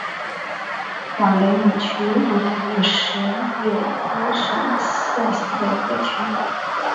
瓦雷姆区为比利时列日省辖下的一个区。